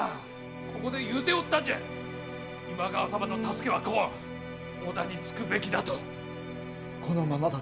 ここで言うておったんじゃ今川様の助けは来ん織田につくべきだと。